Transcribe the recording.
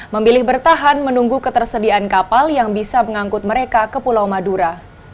memilih bertahan menunggu ketersediaan kapal yang bisa mengangkut mereka ke pulau madura